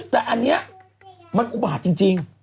แต่อันนี้มันอุบาตจริง